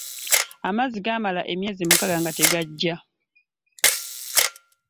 Amazzi gaamala emyezi mukaaga nga tegajja.